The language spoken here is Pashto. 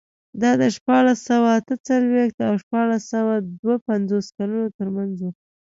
دا د شپاړس سوه اته څلوېښت او شپاړس سوه دوه پنځوس کلونو ترمنځ و.